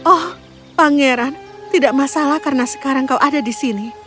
oh pangeran tidak masalah karena sekarang kau ada di sini